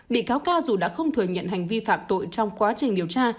bị cáo ca dù đã không thừa nhận hành vi phạm tội trong quá trình điều tra